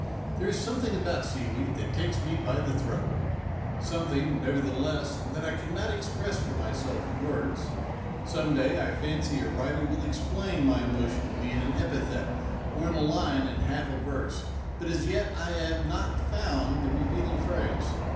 There is something about seaweed that takes me by the throat something, nevertheless, that I cannot express for myself in words. Some day I fancy a writer will explain my emo tion to me in an epithet or in a line and a half of verse ; but as yet I have not found the revealing phrase.